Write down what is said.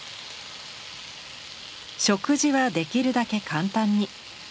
食事はできるだけ簡単に。